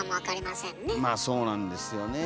まあそうなんですよね。